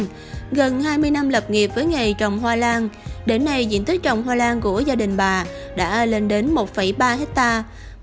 gần hai mươi năm lập nghiệp với nghề trồng hoa lan đến nay diện tích trồng hoa lan của gia đình bà đã lên đến một ba hectare